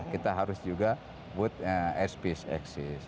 kita harus juga but airspace exist